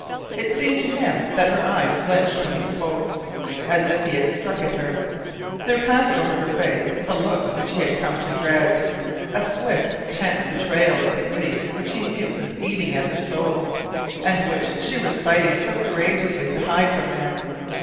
It seemed to him that her eyes flinched when he spoke, as if he had struck at her. There passed over her face the look which he had come to dread: a swift, tense betrayal of the grief which he knew was eating at her soul, and which she was fighting so courageously to hide from him.